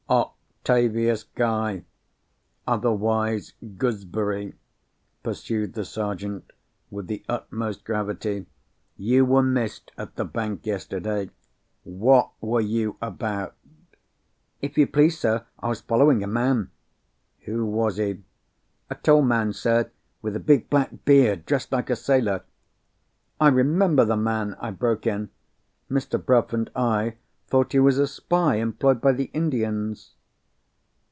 "Octavius Guy, otherwise Gooseberry," pursued the Sergeant, with the utmost gravity, "you were missed at the bank yesterday. What were you about?" "If you please, sir, I was following a man." "Who was he?" "A tall man, sir, with a big black beard, dressed like a sailor." "I remember the man!" I broke in. "Mr. Bruff and I thought he was a spy employed by the Indians."